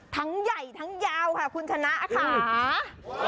ทั้งใหญ่ทั้งยาวค่ะคุณชนะค่ะ